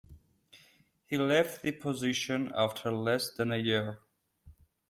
He left the position after less than a year.